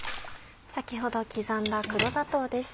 先ほど刻んだ黒砂糖です。